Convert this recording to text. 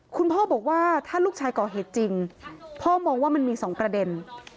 คุณพ่อบอกว่าถ้าลูกชายก่อเหตุจริงพ่อมองว่ามันมี๒ประเด็น